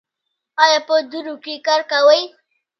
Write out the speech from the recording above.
ایا په دوړو کې کار کوئ؟